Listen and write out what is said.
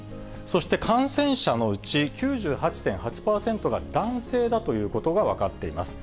そして感染者のうち、９８．８％が男性だということが分かっています。